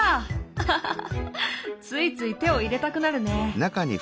アハハハハついつい手を入れたくなるね。